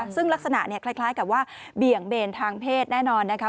ซึ่งลักษณะเนี่ยคล้ายกับว่าเบี่ยงเบนทางเพศแน่นอนนะคะ